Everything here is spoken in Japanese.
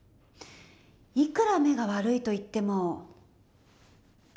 いくら目が悪いといっても。